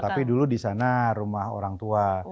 tapi dulu disana rumah orang tua